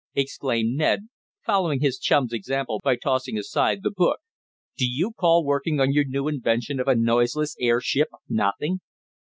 exclaimed Ned, following his chum's example by tossing aside the book. "Do you call working on your new invention of a noiseless airship nothing?"